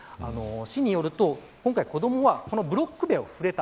市によると今回、子どもがブロック塀に触れた。